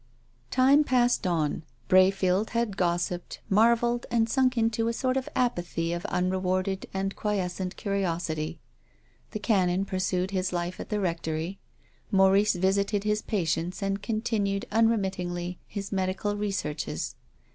Time passed on. Brayfield had gossiped, mar velled and sunk into a sort of apathy of unrc warded and quiescent curiosity. The Canon pur sued his life at the Rectory. Maurice visited his patients and continued unremittingly his medical researches.